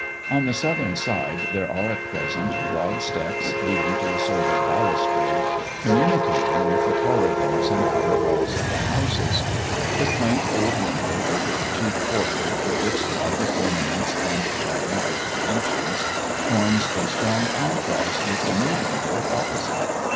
On the southern side there are at present broad steps, leading to a sort of balustrade, communicating with the corridors and outer halls of the houses. The quaint old window over the chief portal, with its Gothic ornaments and gigantic dimensions, forms a strong contrast with the new window opposite.